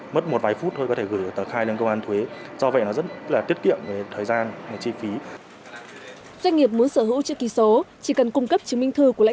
mất một vài phút thôi có thể gửi tờ khai lên cơ quan thuế do vậy nó rất là tiết kiệm thời gian chi phí